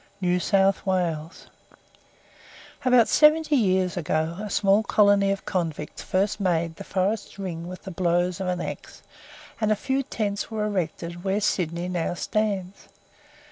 NEW SOUTH WALES About seventy years ago a small colony of convicts first made the forests ring with the blows of the axe, and a few tents were erected where Sydney now stands.